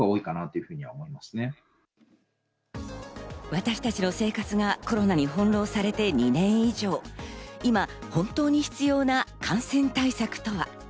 私たちの生活がコロナにほんろうされて２年以上、今本当に必要な感染対策とは？